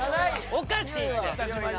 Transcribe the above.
おかしいって！